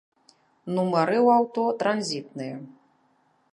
Нумары ў аўто транзітныя.